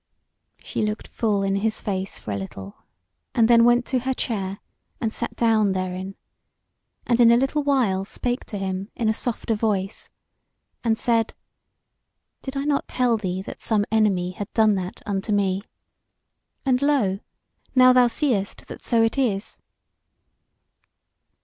She looked full in his face for a little, and then went to her chair, and sat down therein; and in a little while spake to him in a softer voice, and said: "Did I not tell thee that some enemy had done that unto me? and lo! now thou seest that so it is."